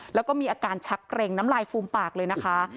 แล้วก็มีอาการชักเกร็งน้ำลายฟูมปากเลยนะคะ